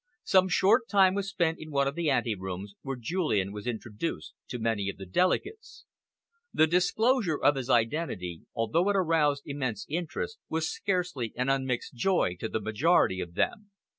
Some short time was spent in one of the anterooms, where Julian was introduced to many of the delegates. The disclosure of his identity, although it aroused immense interest, was scarcely an unmixed joy to the majority of them.